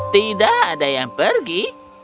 tidak ada yang pergi